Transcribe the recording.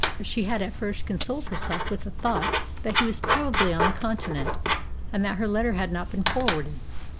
She had at first consoled herself with the thought that he was probably on the Continent, and that her letter had not been forwarded.